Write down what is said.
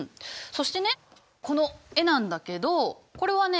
そしてねこの絵なんだけどこれはね